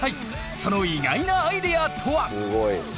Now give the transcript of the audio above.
その意外なアイデアとは！？